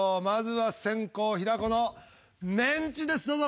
まずは先攻平子のメンチです。